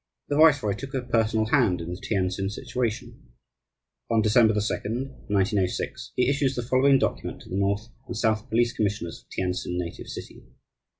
The viceroy took a personal hand in the Tientsin situation. On December 2, 1906, he issues the following document to the North and South Police Commissioners of Tientsin native city.